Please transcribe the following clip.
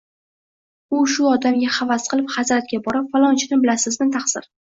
U shu odamga havas qilib, hazratga borib, Falonchini bilasizmi, taqsir